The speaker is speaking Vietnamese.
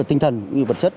tinh thần vật chất